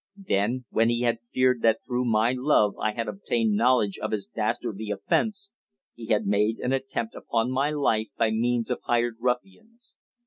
Then, when he had feared that through my love I had obtained knowledge of his dastardly offence, he had made an attempt upon my life by means of hired ruffians.